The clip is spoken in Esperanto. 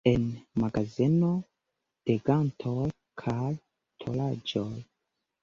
En magazeno de gantoj kaj tolaĵoj.